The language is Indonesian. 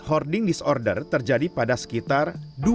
hoarding disorder terjadi pada sekitar